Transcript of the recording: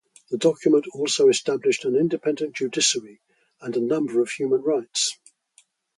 The document also established an independent judiciary and listed a number of human rights.